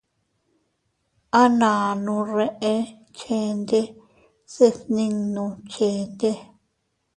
A nannu reʼe chende se fninduu chende.